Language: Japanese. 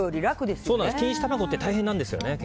錦糸卵って大変なんですよね。